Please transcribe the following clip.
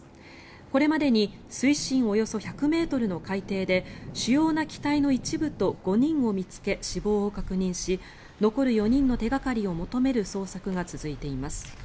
これまでに水深およそ１００ｍの海底で主要な機体の一部と５人を見つけ死亡を確認し残る４人の手掛かりを求める捜索が続いています。